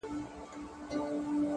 تکرار عادتونه جوړوي,